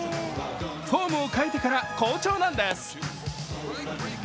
フォームを変えてから好調なんです。